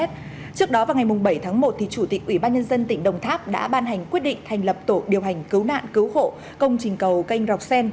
trước đó vào ngày bảy tháng một chủ tịch ủy ban nhân dân tỉnh đồng tháp đã ban hành quyết định thành lập tổ điều hành cứu nạn cứu hộ công trình cầu canh rạch sen